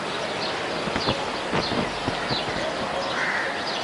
وَبَوَادِرِ الْحُمْقِ الْمُضِلَّةِ